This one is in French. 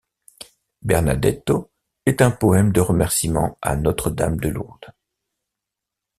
Bernadeto est un poème de remerciements à Notre-Dame de Lourdes.